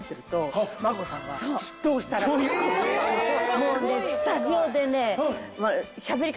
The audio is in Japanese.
もうねスタジオでね。